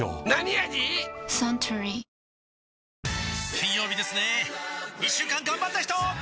金曜日ですね一週間がんばった人！